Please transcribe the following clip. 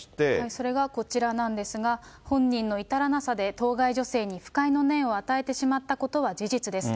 それがこちらなんですが、本人の至らなさで当該女性に不快の念を与えてしまったことは事実です。